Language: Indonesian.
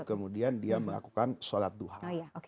kemudian dia melakukan sholat duha